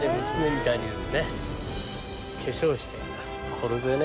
これでね